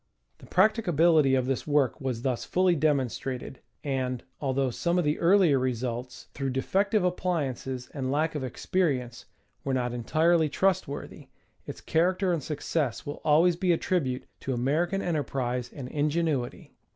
The practicability of this work was thus fully demonstrated, and, although some of the earlier results, through defective appliances and lack of experience, were not entirely ti'ustworthy, its character and success will always be a tribute to American enterprise and ingenuity.